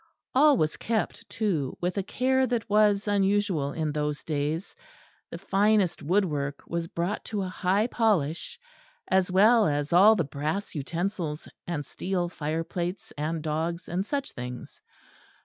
All was kept, too, with a care that was unusual in those days the finest woodwork was brought to a high polish, as well as all the brass utensils and steel fire plates and dogs and such things.